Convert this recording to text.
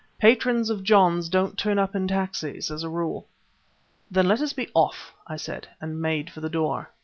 Patrons of John's don't turn up in taxis, as a rule!" "Then let us be off," I said, and made for the door.